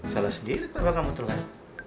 salah sendiri papa kamu tuh